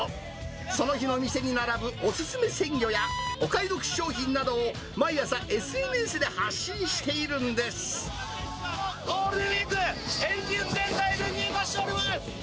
その日の店に並ぶお勧め鮮魚や、お買い得商品などを、毎朝、ゴールデンウィーク、エンジン全開で入荷しております。